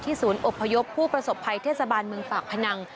ศูนย์อบพยพผู้ประสบภัยเทศบาลเมืองปากพนัง